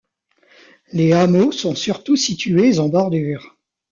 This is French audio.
Les hameaux sont surtout situés en bordure.